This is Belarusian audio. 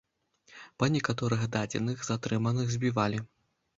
Па некаторых дадзеных, затрыманых збівалі.